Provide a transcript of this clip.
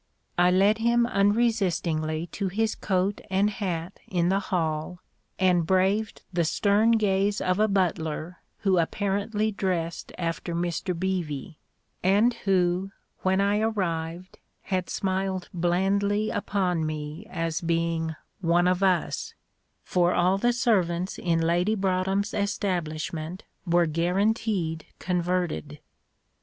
I led him unresistingly to his coat and hat in the hall, and braved the stern gaze of a butler who apparently dressed after Mr Beevy, and who, when I arrived, had smiled blandly upon me as being 'one of us,' for all the servants in Lady Broadhem's establishment were guaranteed converted.